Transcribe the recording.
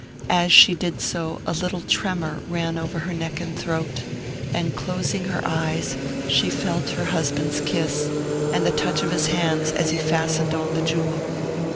As she did so, a little tremor ran over her neck and throat, and closing her eyes she felt her husband's kiss, and the touch of his hands as he fastened on the jewel.